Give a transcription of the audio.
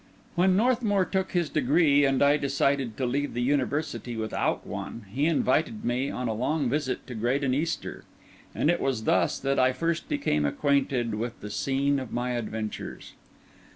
When Northmour took his degree and I decided to leave the university without one, he invited me on a long visit to Graden Easter; and it was thus that I first became acquainted with the scene of my adventures.